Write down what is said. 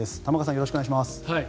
よろしくお願いします。